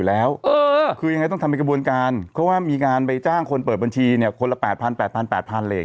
แต่เรื่องต้นก็สามารถปฏิเสธทุกครอบเก่าหาด้วย